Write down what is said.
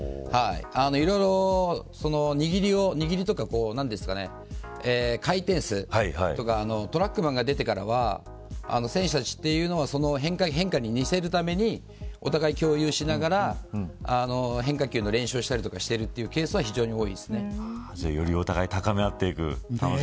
いろいろ握りとか回転数とかトラックマンが出てからは選手たちというのはその変化に似せるためにお互い共有しながら変化球の練習したりしているよりお互いを高め合っていく。